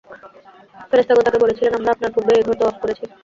ফেরেশতাগণ তাঁকে বলেছিলেন, আমরা আপনার পূর্বেই এ ঘর তওয়াফ করেছি।